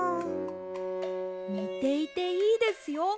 ねていていいですよ。